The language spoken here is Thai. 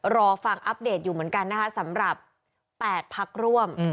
รอฟังอัปเดตอยู่เหมือนกันนะคะสำหรับ๘พักร่วม